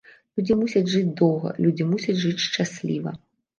Людзі мусяць жыць доўга, людзі мусяць жыць шчасліва.